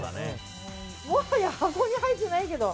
もはや箱に入っていないけど。